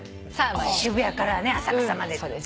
渋谷からね浅草まで。